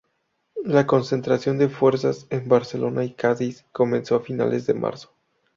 La concentración de fuerzas en Barcelona y Cádiz comenzó a finales de marzo.